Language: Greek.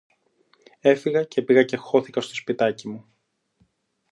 Έφυγα και πήγα και χώθηκα στο σπιτάκι μου